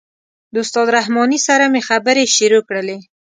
د استاد رحماني سره مې خبرې شروع کړلې.